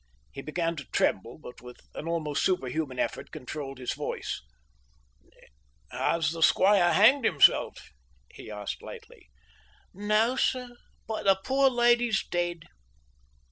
He began to tremble, but with an almost superhuman effort controlled his voice. "Has the squire hanged himself?" he asked lightly. "No sir—but the poor lady's dead."